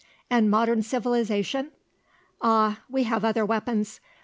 "And modern civilisation?" "Ah, we have other weapons.